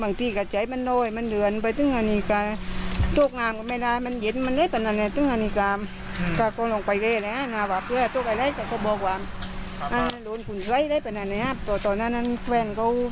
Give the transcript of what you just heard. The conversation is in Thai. มันแกะเป็นเกราะเป็นไร้ก้องตัวเอง